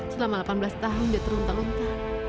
selama delapan belas tahun dia terlontar lontar